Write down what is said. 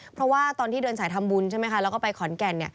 เพราะว่าตอนที่เดินสายทำบุญใช่ไหมคะแล้วก็ไปขอนแก่น